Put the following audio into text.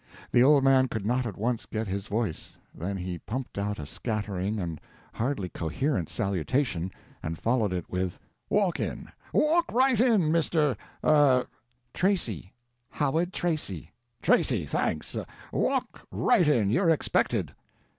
The old man could not at once get his voice: then he pumped out a scattering and hardly coherent salutation, and followed it with— "Walk in, walk right in, Mr.—er—" "Tracy—Howard Tracy." "Tracy—thanks—walk right in, you're expected."